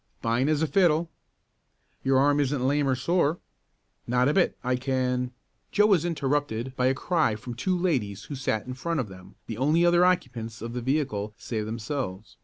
"Fine as a fiddle." "Your arm isn't lame or sore?" "Not a bit, I can " Joe was interrupted by a cry from two ladies who sat in front of them, the only other occupants of the vehicle save themselves.